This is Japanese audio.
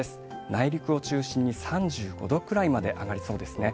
内陸を中心に３５度くらいまで上がりそうですね。